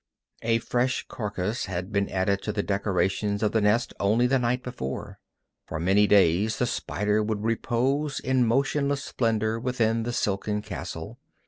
A fresh carcass had been added to the decorations of the nest only the night before. For many days the spider would repose in motionless splendor within the silken castle.